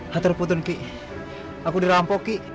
hater putun ki aku dirampok ki